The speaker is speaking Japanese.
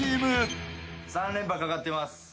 ３連覇懸かってます。